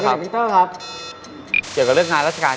เกี่ยวกับเรื่องงานรัชการ